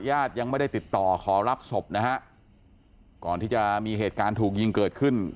ญาติยังไม่ได้ติดต่อขอรับศพนะฮะก่อนที่จะมีเหตุการณ์ถูกยิงเกิดขึ้น